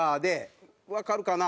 わかるかな？